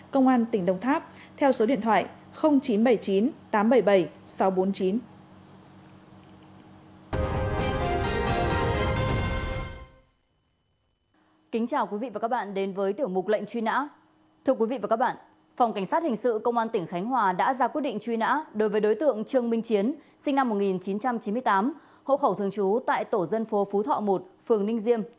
cơ quan tỉnh đồng tháp theo số điện thoại chín trăm bảy mươi chín tám trăm bảy mươi bảy sáu trăm bốn mươi chín